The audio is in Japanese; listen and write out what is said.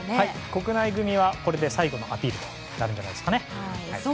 国内組はこれが最後のアピールになるんじゃないかと。